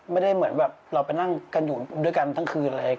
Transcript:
ไม่ได้เหมือนแบบเราไปนั่งกันอยู่ด้วยกันทั้งคืนอะไร